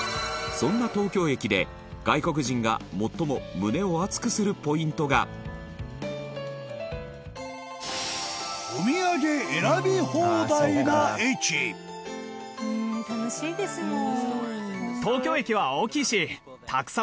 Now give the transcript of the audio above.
そんな東京駅で、外国人が最も胸を熱くするポイントが羽田：楽しいですもん。